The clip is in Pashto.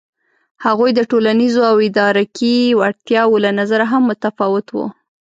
هغوی د ټولنیزو او ادراکي وړتیاوو له نظره هم متفاوت وو.